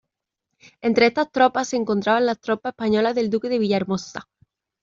Entre estas tropas se encontraban las tropas españolas del duque de Villahermosa.